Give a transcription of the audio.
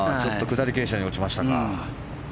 下り傾斜に落ちましたか。